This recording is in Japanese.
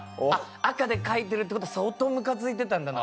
赤で書いてるってことは相当ムカついてたんだな